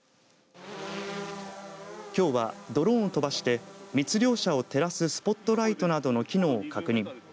きょうはドローンを飛ばして密猟者を照らすスポットライトなどの機能を確認。